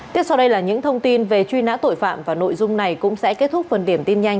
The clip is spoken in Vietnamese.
tiếp sau đây là những thông tin về truy nã tội phạm và nội dung này cũng sẽ kết thúc phần điểm tin nhanh